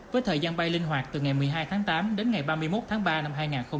với thời gian bay linh hoạt từ ngày một mươi hai tháng tám đến ngày ba mươi một tháng ba năm hai nghìn hai mươi